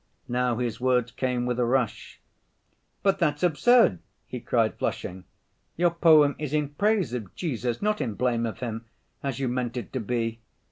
Now his words came with a rush. "But ... that's absurd!" he cried, flushing. "Your poem is in praise of Jesus, not in blame of Him—as you meant it to be.